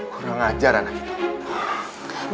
kurang ajar anak itu